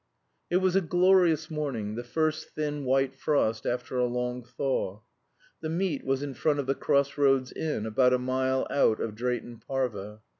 It was a glorious morning, the first thin white frost after a long thaw. The meet was in front of the Cross Roads Inn, about a mile out of Drayton Parva.